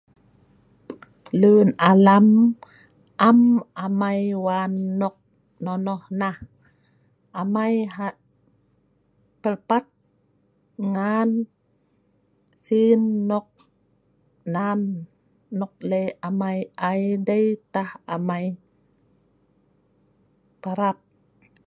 Lun alam am amai wan nok nonoh nah.amai pelpat ngan sin nok nan nok lek amai ai dei tah amai parab